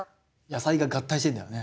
野菜が合体してんだよね。